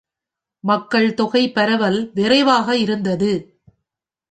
மக்கள் தொகை பரவல் விரைவாக இருந்தது.